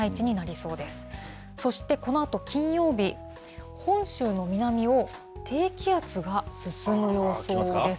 そして、このあと金曜日、本州の南を低気圧が進む予想です。